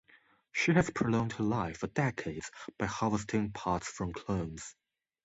She has prolonged her life for decades by harvesting parts from clones.